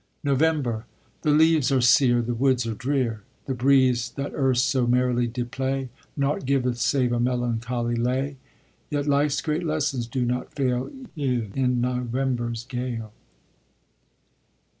NOVEMBER The leaves are sere, The woods are drear, The breeze that erst so merrily did play, Naught giveth save a melancholy lay; Yet life's great lessons do not fail E'en in November's gale.